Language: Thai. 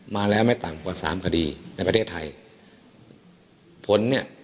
มาแล้วไม่ต่ำกว่าสามคดีในประเทศไทยผลเนี่ย